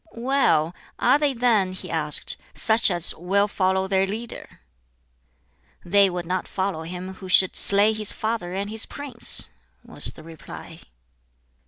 '" "Well, are they then," he asked, "such as will follow their leader?" "They would not follow him who should slay his father and his prince!" was the reply.